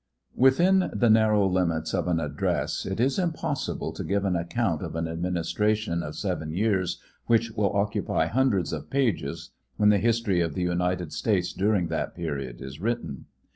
Within the narrow limits of an address it is impossible to give an account of an administration of seven years which will occupy hundreds of pages when the history of the United States during that period is written.